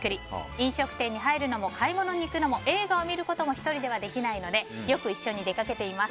飲食店に入るのも買い物に行くのも映画を見ることも１人ではできないのでよく一緒に出掛けています。